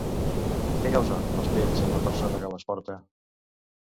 Què causen les pells en la persona que les porta?